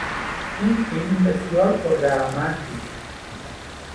این فیلم بسیار پر درآمد بود.